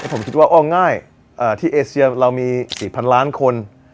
ผมคิดว่าอ้อง่ายที่เอเซียเรามี๔๐๐๐ล้านคน